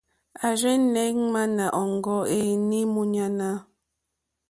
À rzɛ́nɛ̀ ŋmánà ŋɡó ǃéní múɲánà,.